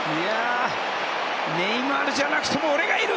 ネイマールじゃなくても俺がいる！